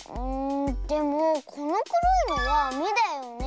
でもこのくろいのはめだよねえ？